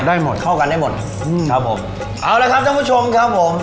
ได้หมดเข้ากันได้หมดอืมครับผมเอาละครับท่านผู้ชมครับผม